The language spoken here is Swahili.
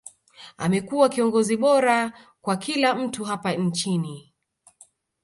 amekuwa kiongozi bora kwa kila mtu hapa nchini